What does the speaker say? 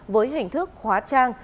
với hình thức khóa trang